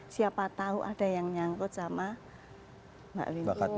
siapa tahu ada yang nyangkut sama mbak lili